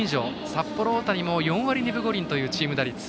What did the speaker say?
札幌大谷も４割２分５厘というチーム打率。